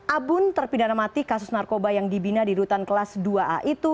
abun terpidana mati kasus narkoba yang dibina di rutan kelas dua a itu